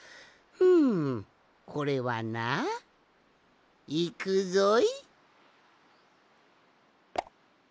んこれはないくぞい。